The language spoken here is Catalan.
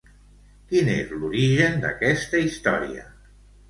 Quin és l'origen d'aquesta història?